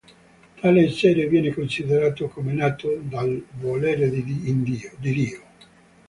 Tale essere viene considerato come nato dal volere di Dio.